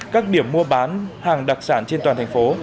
các điểm mua bán hàng đặc sản trên toàn thành phố